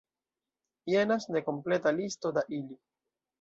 Jenas nekompleta listo da ili.